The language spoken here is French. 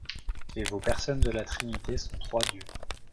Et vos personnes de la Trinité sont trois Dieux.